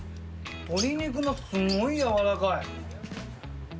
鶏肉もすごい柔らかい。